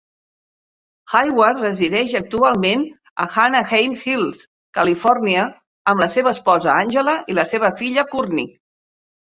Hayward resideix actualment a Anaheim Hills, Califòrnia, amb la seva esposa Angela i la seva filla Courtney.